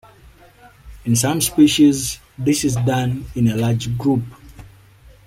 In some species, this is done in a large group.